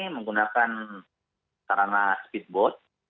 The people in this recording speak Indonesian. menggunakan sarana speedboat